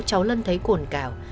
cháu lân thấy cổn cảo